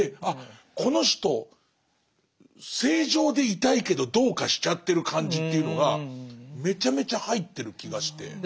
あっこの人正常でいたいけどどうかしちゃってる感じというのがめちゃめちゃ入ってる気がして。